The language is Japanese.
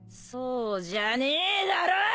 そうじゃねえだろ！